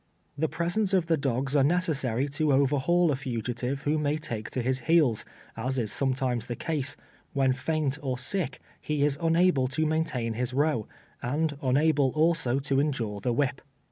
The presence of the dogs are neces sary to overhaul a fugitive avIio may take to his heels, as is sometimes the case, when faint or sick, he is un able to maintin his row, and unalde, also, to en dure the whip.